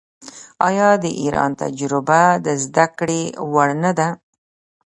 آیا د ایران تجربه د زده کړې وړ نه ده؟